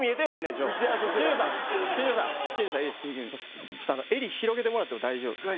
ちょっと襟広げてもらっても大丈夫ですか？